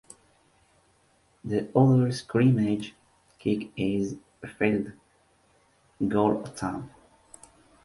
The other scrimmage kick is a field goal attempt.